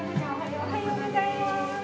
おはようございます。